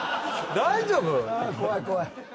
大丈夫？